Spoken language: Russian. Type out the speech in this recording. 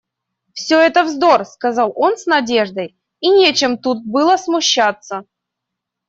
Всё это вздор, — сказал он с надеждой, — и нечем тут было смущаться!